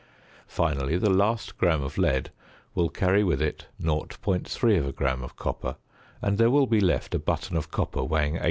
Finally, the last gram of lead will carry with it 0.3 gram of copper, and there will be left a button of copper weighing 8.